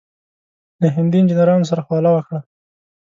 له هندي انجنیرانو سره خواله وکړه.